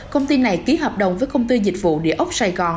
công ty này ký hợp đồng với công ty dịch vụ địa ốc sài gòn